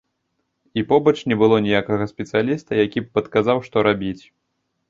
І побач не было ніякага спецыяліста, які б падказаў, што рабіць.